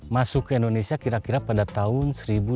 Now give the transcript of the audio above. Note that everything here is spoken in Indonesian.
masuk ke indonesia kira kira pada tahun seribu delapan ratus lima puluh dua